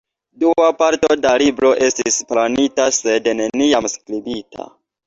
Dua parto da libro estis planita sed neniam skribita.